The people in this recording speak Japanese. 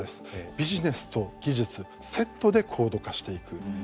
ビジネスと技術セットで高度化していく。